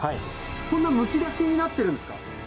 こんなむき出しになってるんですか？